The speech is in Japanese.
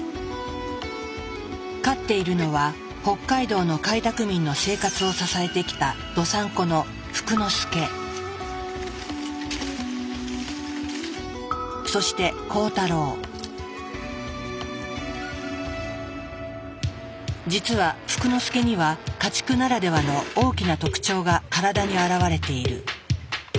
飼っているのは北海道の開拓民の生活を支えてきたそして実は福之助には家畜ならではの大きな特徴が体にあらわれている。